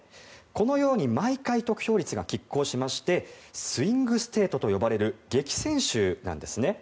このように毎回得票率が拮抗しましてスイング・ステートと呼ばれる激戦州なんです。